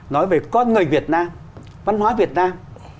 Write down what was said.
nói về con người việt nam văn hóa việt nam